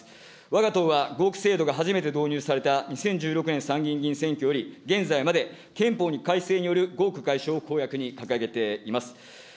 わが党は合区制度が初めて導入された２０１６年参議院議員選挙より現在まで憲法改正による合区解消を公約に掲げています。